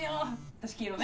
私黄色ね。